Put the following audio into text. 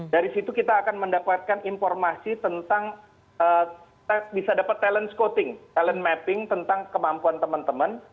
dari situ kita akan mendapatkan informasi tentang kita bisa dapat talent scouting talent mapping tentang kemampuan teman teman